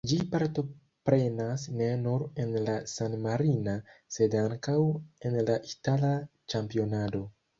Ĝi partoprenas ne nur en la san-marina, sed ankaŭ en la itala ĉampionado.